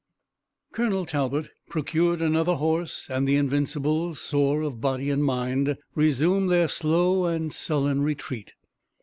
Colonel Talbot procured another horse, and the Invincibles, sore of body and mind, resumed their slow and sullen retreat.